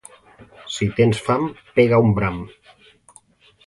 Si tens fam, pega un bram.